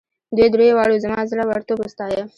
دوی دریو واړو زما زړه ورتوب وستایه.